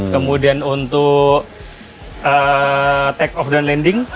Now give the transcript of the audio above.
kemudian untuk take off dan landing